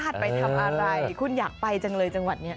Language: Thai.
ไปทำอะไรคุณอยากไปจังเลยจังหวัดนี้